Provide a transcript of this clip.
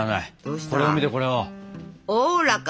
これを見てこれを。